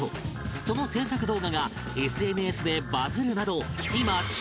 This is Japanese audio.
その制作動画が ＳＮＳ でバズるなど